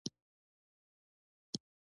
مسؤل سړي و ویل په ما پسې راشئ.